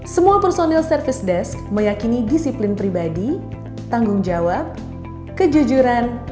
semua personil service desk meyakini disiplin pribadi tanggung jawab kejujuran